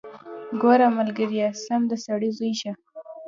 ګوره ملګريه سم د سړي زوى شه.